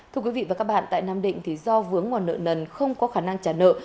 thưa quý vị và các bạn tại nam định thì do vướng ngoài nợ nần không có khả năng trả nợ